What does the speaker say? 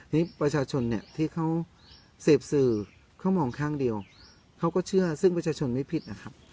นี่ประชาชนเนี่ยที่เขาเสพสื่อเขามองข้างเดียวเขาก็เชื่อซึ่งประชาชนไม่ผิดนะครับ